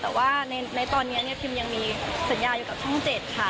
แต่ว่าในตอนนี้เนี่ยพิมยังมีสัญญาอยู่กับช่อง๗ค่ะ